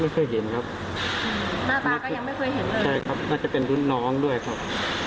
ขอบคุณครับ